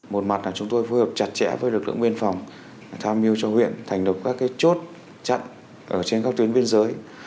một mặt là chúng tôi phối hợp chặt chẽ với lực lượng biên phòng tham mưu cho huyện thành được các chốt chặn trên các tuyến biên giới